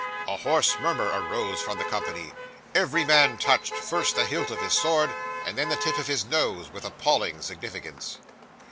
'A hoarse murmur arose from the company; every man touched, first the hilt of his sword, and then the tip of his nose, with appalling significance.